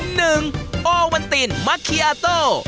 หนึ่งโอวันตินมัคคียาโต